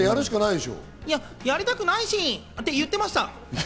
でも、やりたくないしんって言ってました。